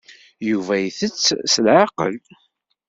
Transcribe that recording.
Yuba itett s leɛqel.